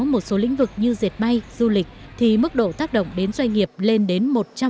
một số lĩnh vực như diệt bay du lịch thì mức độ tác động đến doanh nghiệp lên đến một trăm linh